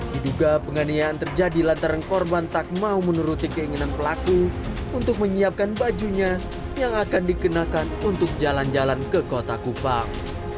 diduga penganiayaan terjadi lantaran korban tak mau menuruti keinginan pelaku untuk menyiapkan bajunya yang akan dikenakan untuk jalan jalan ke kota kupang